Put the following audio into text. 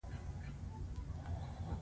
ویې کېکاږه، هغې پر ځان باندې پوړنی را کش کړ.